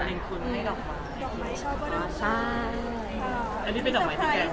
แล้วอันนี้เป็นดอกไม้ที่แกชอบ